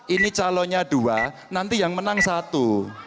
ini calonnya dua nanti yang menang satu